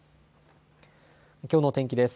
きょうの天気です。